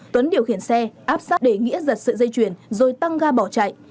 tuấn điều khiển xe áp sát để nghĩa giật sợi dây chuyển rồi tăng ga bỏ chạy